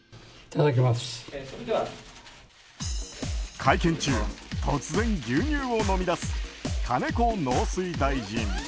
会見中突然牛乳を飲みだす金子農水大臣。